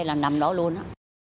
là nằm đó luôn á